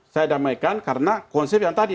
saya damaikan karena konsep yang tadi